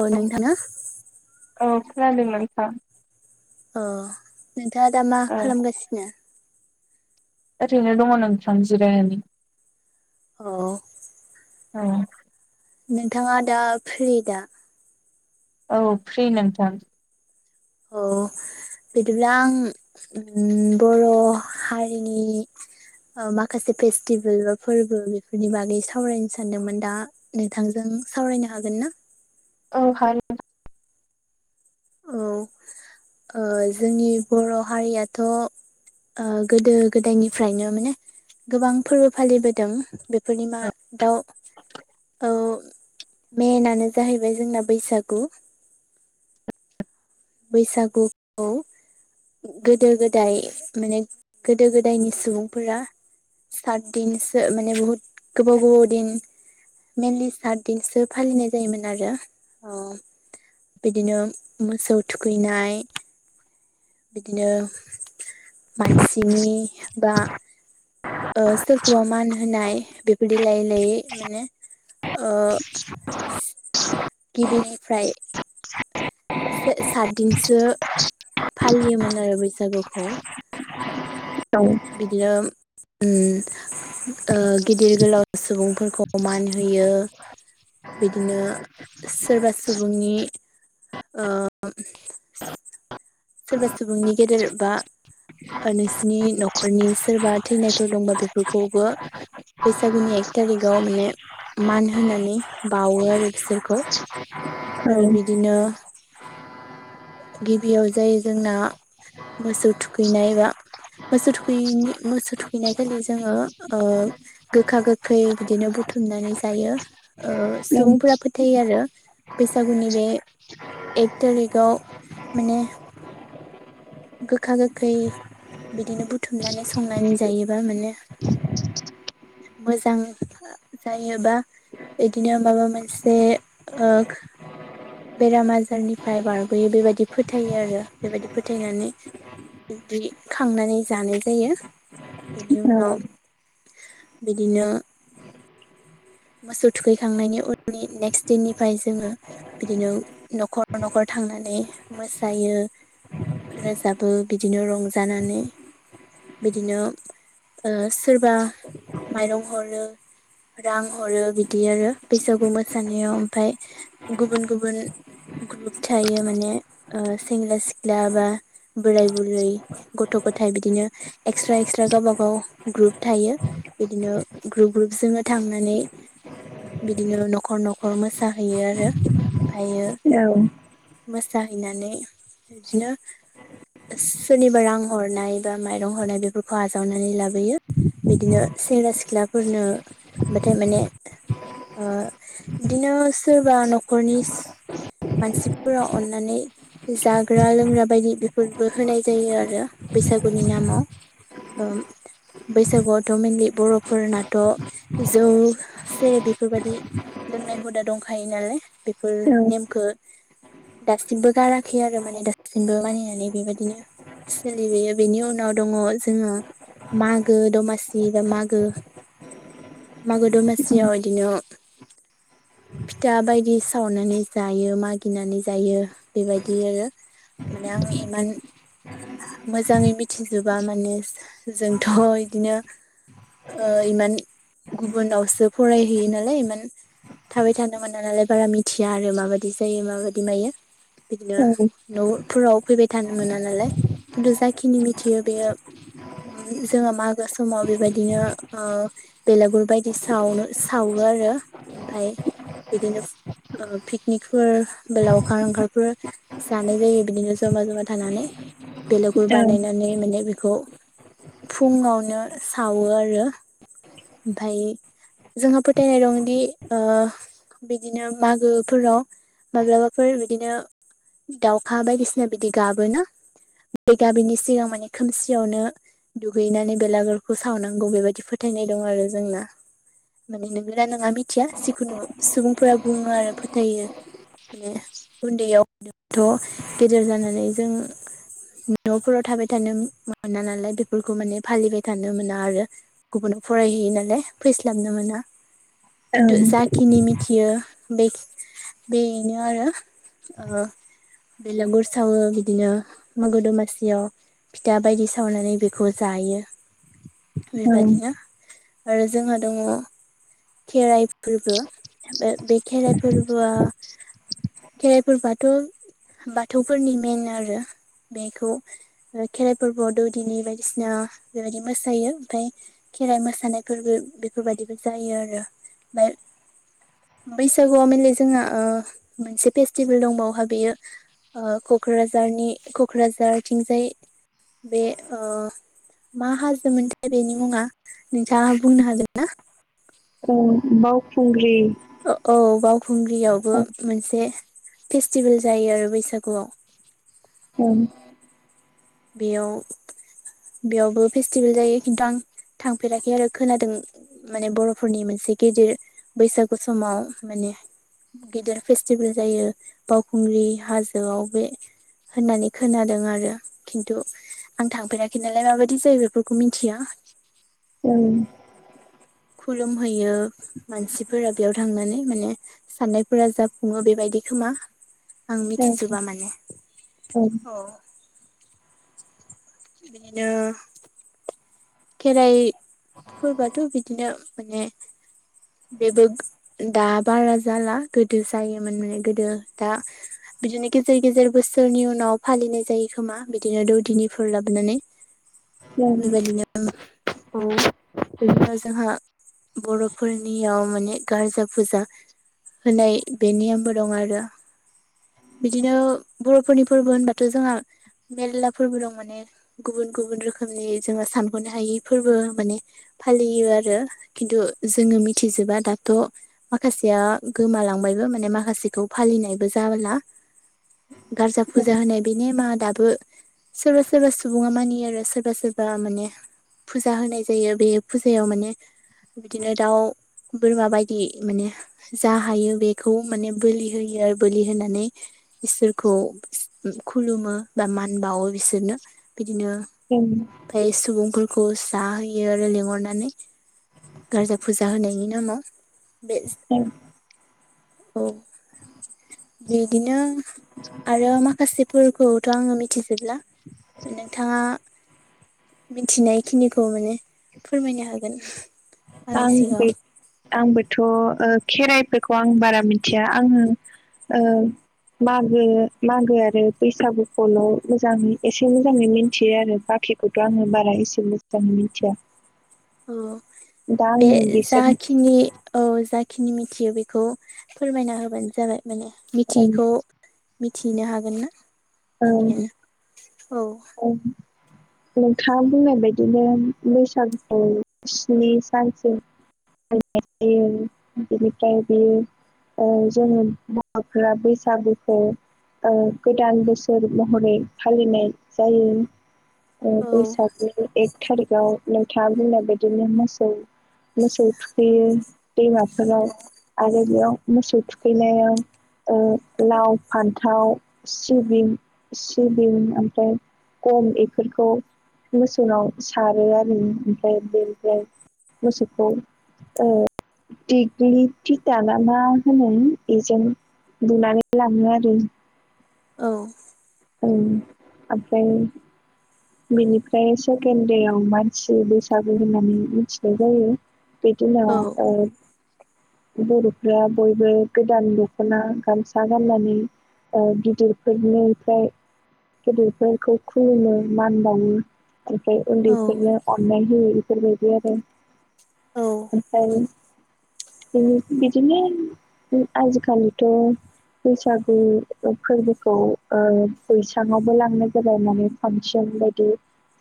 अ औ नोंथाङा औ खोनादोंना नोंथां? अ नोंथाङा दा मा औ खालामगासिनो? ओरैनो दङ नोंथां जिरायनानै औ औ नोंथाङा दा फ्रि दा औ फ्रि नोंथां औ बिदिब्ला आं उम बर' हारिनि ओ माखासे फेस्टिभेल बा फोरबो बेफोरनि बागै सावरायनो सानदोंमोन दा नोंथांजों सावरायनो हागोन ना? औ हागोन नोंथां औ ओ जोंनि बर' हारियाथ' ओ गोदो गोदायनिफ्रायनो माने गोबां फोरबो फालिबोदों बेफोरनि मा दाउ औ मेनानो जाहैबाय जोंना बैसागु बैसागुखौ गोदो गोदाय माने गोदो गोदायनि सुबुंफोरा सात दिनसो माने बहुत गोबाव गोबाव दिन मेनलि सात दिनसो फालिनाय जायोमोन आरो अ बिदिनो मोसौ थुखैनाय बिदिनो मानसिनि बा ओ सोरखौबा मान होनाय बेबायदि लायै लायै माने ओ [inaudible] गिबिनिफ्राय सो सातदिनसो फालियोमोन आरो बैसागुखौ [inaudible] औ बिदिनो उम ओ गिदिर गोलाव सुबुंफोरखौ अमान होयो बिदिनो सोरबा सुबुंनि ओम सोरबा सुबुंनि गेदेर बा नोंसिनि न'खरनि सोरबा थैनायफोर दंबा बेफोरखौबो बैसागुनि एक तारिकाव माने मान होनानै बावो आरो बिसोरखौ आरो बिदिनो गिबियाव जायो जोंना मोसौ थुखैनाय बा मोसौ थुखैैयिनि मोसौ थुखैनाय खालि जोङो ओ गोखा गोखै बिदिनो बुथुमनानै जायो ओ सुबुंफोरा फोथायो आरो बैसागुनि बे एक थारिकाव माने गोखा गोखै बिदिनो बुथुमनानै संनानै जायोबा माने मोजां जायोबा बिदिनो माबा मोनसे ओ बेराम आजारनिफ्राय बारग'यो बेबायदि फोथायो आरो बेबायदि फोथाय फैनानै बिदि खांनानै जानाय जायो बेनि उनाव बिदिनो मोसौ थुखैखांनायनि उननि नेक्स्ट दिननिफ्राय जोङो बिदिनो न'खर न'खर थांनानै मोसायो। रोजाबो बिदिनो रंजानानै बिदिनो ओ सोरबा माइरं हरो रां हरो बिदि आरो बैसागु मोसानायाव ओमफाय गुबुन गुबुन ग्रुप थायो माने ओ सेंग्रा सिख्ला बा बोराय बुरै गथ' गथाइ बिदिनो एक्सट्रा एक्सट्रा गावबा गाव ग्रुप थायो। बिदिनो ग्रुप ग्रुप जोङो थांनानै बिदिनो न'खर न'खर मोसाहैयो आरो ओमफायो मोसाहैनानै बिदिनो सोरनिबा रां हरनाय बा माइरं हरनाय बेफोरखौ आजावनानै लाबोयो। बिदिनो सेंग्रा सिख्लाफोरनो बाथाय माने ओ बिदिनो सोरबा न'खरनिस मानसिफोरा अननानै जाग्रा लोंग्रा बायदि बेफोरबो होनाय जायो आरो बैसागुनि नामाव। ओ बैसागुआवथ' मेनलि बर'फोरनाथ' जौ जेरै बेफोरबादि लोंनाय हुदा दंखायो नालाय बेफोर नेमखो दासिमबो गाराखै आरो माने दासिमबो मानिनानै बेबादि सोलिबोयो बेनि उनाव दङ' जोङो मागो दमासि बा मागो मागो दमासियाव इदिनो फिथा बायदि सावनानै जायो मागिनानै जायो बेबायदि आरो। माने आं इमान मोजाङै मिथिजोबा माने जोंथ' इदिनो ओ इमान गुबुनावसो फरायहैयो नालाय इमान थाबाय थानो मोना नालाय बारा मिथिया आरो माबादि जायो माबादि मायो। बिदिनो न'फोराव फैबाय थानो मोना नालाय खिन्थु जाखिनि मिथियो बेयो जोहा मागो समाव बेबादिनो ओ बेलागुर बायदि सावनो सावो आरो। ओमफाय बिदिनो ओ पिकनिकफोर लावखार ओंखारफोर जानाय जायो बिदिनो जमा जमा थानानै बेलेगुर औ बानायनानै माने खौ फुङावनो सावो आरो। ओमफाय जोंहा फोथायनाय दंदि ओ बिदिनो मागोफोराव माब्लाबाफोर बिदिनो दाउखा बायदिसिना बिदि गाबोना बे गाबैनि सिगां माने खोमसियावनो दुगैनानै बेलागुरखौ सावनांगौ बेबायदि फोथायनाय दं आरो जोंना। माने नोंगौ ना नङा मिथिया जिखुनु सुबुंफोरा बुङो आरो फोथायो। माने उन्दैयावथ' गेदेर जानानै जों न'फोराव थाबाय थानो मोना नालाय बेफोरखौ माने फालिबाय थानो मोना आरो। गुबुन फरायहैयो नालाय फैस्लाबनो मोना। खिन्थु औ जाखिनि मिथियो बे बेनो आरो ओ बेलागुर सावो बिदिनो मागो दमासियाव। फिथा बायदि सावनानै बेखौ जायो। औ बेबादिनो आरो जोंहा दङ' खेराइ फोरबो बे बे खेराइ फोरबोआ खेरायफोर बाथ' बाथौफोरनि मेन आरो बेखौ खेराइ फोरबोआव दौदिनि बायदिसिना बेबायदि मोसायो ओमफ्राय खेराइ मोसानायफोरबो बेफोरबायदिबो जायो आरो ओमफाय बैसागुआव माने जोंहा ओ मोनसे फेस्टिभेल दंबावहा बेयो ओ क'क्राझारनि क'क्राझारथिंजाय बे ओ मा हाजोमोनथाय बेनि मुङा नोंथाङा बुंनो हागोन ना? औ बावखुंग्रि औ बावखुंग्रियावबो ओं मोनसे फेस्टिभेल जायो आरो बैसागुआव औ बेयाव बेयावबो फेस्टिभेल जायो खिन्थु आं थांफेराखै आरो खोनादों। माने बर'फोरनि मोनसे गेदिर बैसागु समाव माने गिदिर फेस्टिभेल जायो बावखुंग्रि हाजोआव बे होननानै खोनादों आरो खिन्थु आं थांफेराखै नालाय माबायदि जायो बेफोरखौ मिथिया। औ खुलुमहैयो मानसिफोरा बेयाव थांनानै माने साननायफोरा जाफुङो बेबायदि खोमा आं मिथिजोबा माने। औ बिनिनो खेराइ फोरबोआथ' बिदिनो माने बेबो दा बारा जाला गोदो जायोमोन माने गोदो दा बिदिनो गेजेर गेजेर बोसोरनि उनाव फालिनाय जायो खोमा बिदिनो दौदिनिफोर लाबोनानै। [inaudible] बेबायदिनो औ [unintelligible] जोंहा बर'फोरनियाव माने गारजा फुजा होनाय बे नियमबो दं आरो बिदिनो बर'फोरनि फोरबो होनबाथ' जोंहा मेलला फोरबो दं माने गुबुन गुबुन रोखोमनि जोङो सानग'नो हायि फोरबो माने फालियो आरो खिन्थु जोङो मिथिजोबा दाथ' माखासेया गोमालांबायबो माने माखासेखौ फालिनायबो जाला। गारजा ओं फुजा होनाय बे नेमा दाबो सोरबा सोरबा सुबुङा मानियो आरो सोरबा सोरबा माने फुजा होनाय जायो बे फुजायाव माने बिदिनो दाउ बोरमा बायदि माने जा हायो बेखौ माने बोलि होयो आरो बोलि होनानै इसोरखौ खुलुमो बा मान बावो बिसोरनो बिदिनो उम ओमफाय सुबुंफोरखौ जाहोयो आरो लिंहरनानै गारजा फुजा होनायनि नामाव बे औ औ बिदिनो आरो माखासेफोरखौथ' आङो मिथिजोबला नोंथाङा मिथिनाय खिनिखौ माने फोरमायनो हागोन [unintelligible] आंनि आं बे सिगाङाव आंबोथ' ओ खेराइफोरखौ आं बारा मिथिया आङो। औ मागो मागो आरो बैसागुखौल' मोजाङै एसे मोजाङै मिथियो आरो बाखि खौथ' आङो बारा इसे मोज्जां मिथिया अ बे आङो बिसोर जाखिनि औ जाखिनि मिथियो बेखौ फोरमायना होबानो जाबाय। माने मिथियैखौ? मिथिहैनो हागोन ना बेनिखायनो औ नोंथांङा बुंनाय बायदिनो बैसागुखौ स्नि सानसिम नाय जायो बिनिफ्राय बेयो जोंङो मावग्रा बैसागुखौ गोदान बोसोर। फोर महरै फालिनाय जायो। बैसागनि एक थारिख आव नोंथांङा बुंनाय बिदिनो मोसौ मोसौ थुखैयो दैमाफोराव आरो बेयाव मोसौव थुखैनायाव लाव फान्थाव सिबिं सिबिं ओमफ्राय गम बेफोरखौ मोसौनाव सारो आरो ओमफ्राय बेनिफ्राय मोसौखौ औव दिग्लिथि दागा मा होनो बेजों बुनानै लांङो आरो। औव औ ओमफ्राय बेनिफ्राय सेकेणड देव मानसि बैसागु होननानै मिथिनाय जायो। बेैदिल बर'फ्रा बयबो गोदान दख'ना गामसा गाननानै गिदिरफोरनिफ्राय गेदेरफोरखौ खुलुमो मान बावो। औ अला आरो औ ओमफ्रायफ्राय बिदिनो आजिखालिथ' बैसागु फोरबोखौ बैसां आवबो लांनाय जाबाय माने फांसन बायदि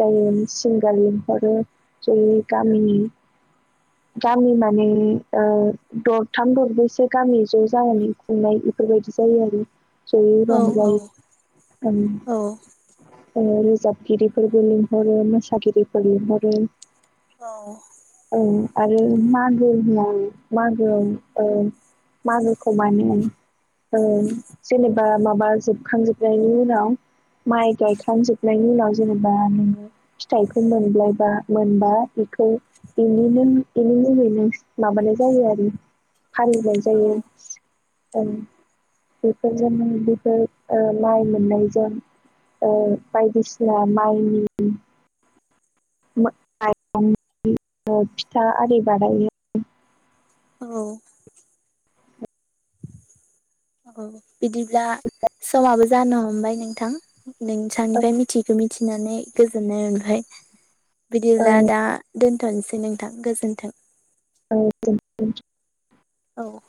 जायो सिंगार लिंहरो जों गामिनि गामि माने दरथाम दरब्रैसो गामि ज' जानानै खुंनाय बेफोरबायदि जायो आरो जयै औ रंजायो रोजाबगिरिफोरबो लिंहरो मोसागिरिफोर लिंहरो औव ओं आरो मागो होन मागो मागोखौ मान जेनेबा माबा जोबखांजोबनायनि उ माइ गायखांजोबनायनि उनाव जेनेबा नोंङो फिथाइखौ मोनायबा मोनबा बेखौ बेनि नों बेनि जै नों माबानाय जायो आरो फालिनाय फोर ब म माइरं फिथा आरि बानायायो। औव औ बिदिब्ला समाबो जानो हमबाय नोंथां? ओ नोंसांनिफ्राय मिथियखो मिथिनानै गोजोननाय मोनबाय ओ बिदिब्ला दा दोनथ'नोसै नोंथां गोजोन्थों। औ दे औ